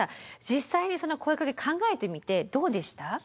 実際にその声かけ考えてみてどうでした？